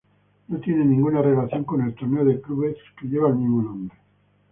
No tiene ninguna relación con el torneo de clubes que lleva el mismo nombre.